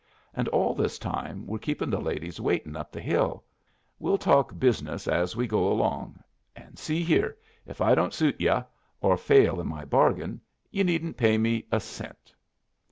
And all this time we're keeping the ladies waitin' up the hill! We'll talk business as we go along; and, see here, if I don't suit yu', or fail in my bargain, you needn't to pay me a cent."